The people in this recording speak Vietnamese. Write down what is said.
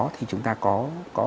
thì chúng ta có